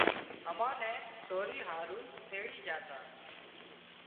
امان نين سوري هارو تيڙي جھا تا